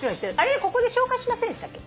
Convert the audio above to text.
ここで紹介しませんでしたっけ？